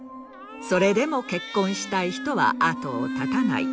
それでも結婚したい人は後をたたない。